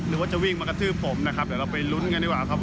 นึกว่าจะวิ่งมากระทืบผมนะครับเดี๋ยวเราไปลุ้นกันดีกว่าครับ